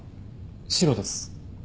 シロです。